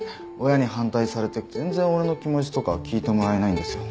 親に反対されて全然俺の気持ちとか聞いてもらえないんですよ。